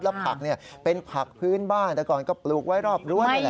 แล้วผักเนี่ยเป็นผักพื้นบ้านแต่ก่อนก็ปลูกไว้รอบรวมเลยแหละ